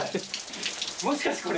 もしかしてこれ。